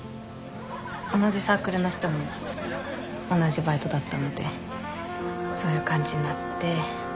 同じサークルの人も同じバイトだったのでそういう感じになって。